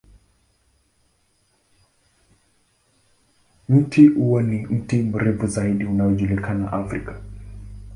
Mti huo ni mti mrefu zaidi unaojulikana Afrika.